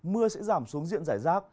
mưa sẽ giảm xuống diện giải rác